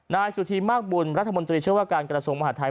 นายสุธีมากบุญรัฐมนตรีเชื่อว่าการกระทรวงมหาดไทย